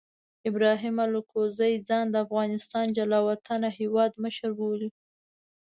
ابراهیم الکوزي ځان د افغانستان جلا وطنه هیواد مشر بولي.